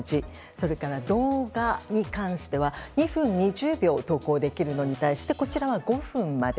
それから動画に関しては２分２０秒、投稿できるのに対しこちらは５分まで。